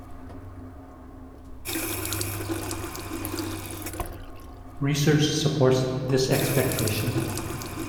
Research supports this expectation.